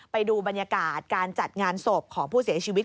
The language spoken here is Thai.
ไปดูบรรยากาศการจัดงานศพของผู้เสียชีวิต